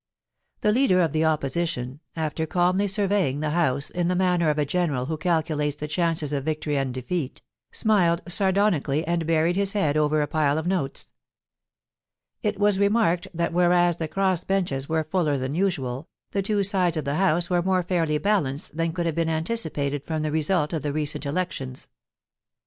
The Leader of the Opposition, after calmly surveying the House in the manner of a general who caJculates the chances of victory and defeat, smiled sardonically and buried his head over a pile of notes. It was remarked that whereas the cross benches were fuller than usual, the two sides of the House were more fairly balanced than could have been anti cipated from the result of the recent elections.